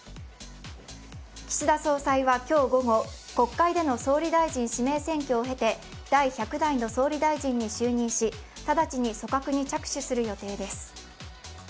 岸田総裁は今日午後、国会での総理大臣指名選挙を経て第１００代の総理大臣に就任し、直ちに組閣に着手する予定です。